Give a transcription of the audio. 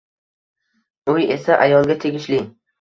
Uy esa ayolga tegishli